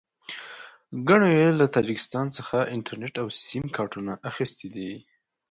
ګڼو یې له تاجکستان څخه انټرنېټ او سیم کارټونه اخیستي دي.